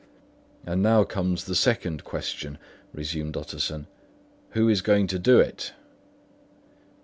"And now comes the second question," resumed Utterson: "Who is going to do it?"